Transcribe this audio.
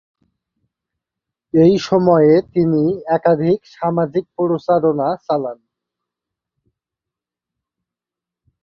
এই সময়ে তিনি একাধিক সামাজিক প্রচারণা চালান।